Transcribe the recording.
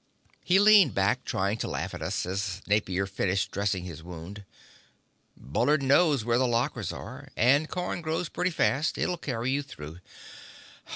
He leaned back, trying to laugh at us, as Napier finished dressing his wound. "Bullard knows where the lockers are. And corn grows pretty fast. It'll carry you through.